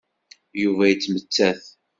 Yuba yettmettat.